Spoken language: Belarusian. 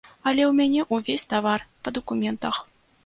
Але ў мяне ўвесь тавар па дакументах.